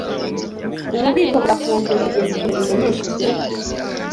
Ububiko burafunzwe kugeza igihe bimenyeshejwe.